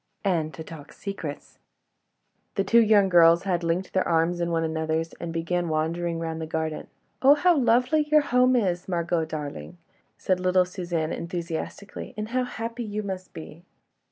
"And to talk secrets." The two young girls had linked their arms in one another's and began wandering round the garden. "Oh! how lovely your home is, Margot, darling," said little Suzanne, enthusiastically, "and how happy you must be!"